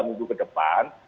tiga minggu ke depan